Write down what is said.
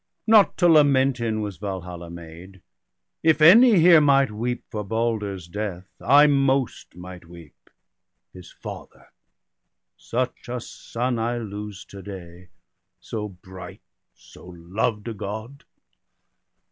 Not to lament in was Valhalla made. If any here might weep for Balder's death, I most might weep, his father; such a son I lose to day, so bright, so loved a God.